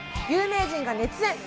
有名人が熱演。